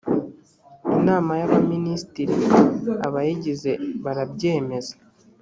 inama y’abaminisitiri abayigize barabyemeza